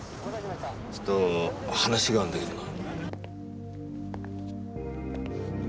ちょっと話があんだけどな。